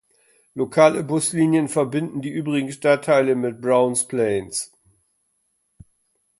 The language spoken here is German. Lokale Buslinien verbinden die übrigen Stadtteile mit "Browns Plains".